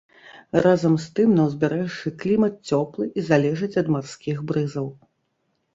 Разам з тым на ўзбярэжжы клімат цёплы і залежыць ад марскіх брызаў.